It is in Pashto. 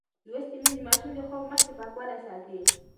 لوستې میندې د ماشومانو د خوب مخکې پاکوالی ساتي.